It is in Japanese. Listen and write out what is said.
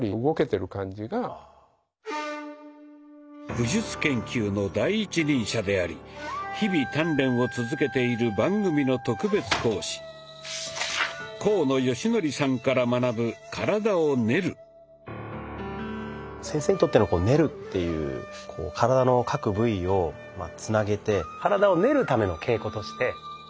武術研究の第一人者であり日々鍛錬を続けている番組の特別講師先生にとっての「練る」っていう体の各部位をつなげて体を練るための稽古として。